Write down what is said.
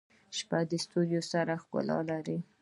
• شپه د ستورو سره ښکلا لري.